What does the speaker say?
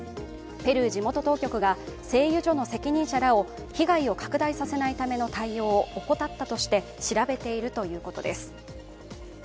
ペルー地元当局が製油所の責任者らを被害を拡大させないための対応を怠ったとして調べているということです。